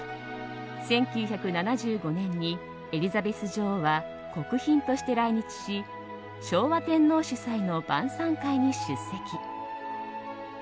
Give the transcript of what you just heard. １９７５年にエリザベス女王は国賓として来日し昭和天皇主催の晩さん会に出席。